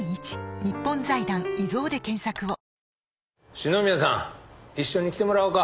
四宮さん一緒に来てもらおうか。